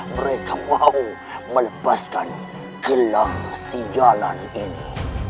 mereka mau melepaskan kilang si jalan ini